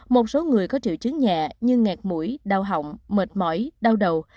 một số người có triệu chứng nhẹ như nghẹt mũi đau hỏng mệt mỏi đau đầu